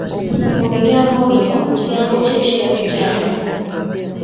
Mu bigambo bino, kigambo ki ekitabigyamu.